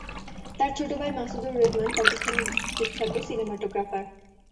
তার ছোট ভাই মাসুদ-উর-রেহমান পাকিস্তানের বিখ্যাত সিনেমাটগ্রাফার।